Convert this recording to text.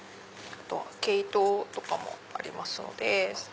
あとは毛糸とかもありますので。